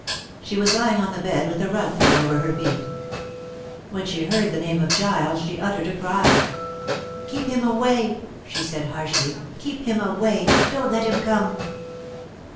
She was lying on the bed with a rug thrown over her feet. When she heard the name of Giles she uttered a cry. "Keep him away!" she said harshly. "Keep him away! Don't let him come!"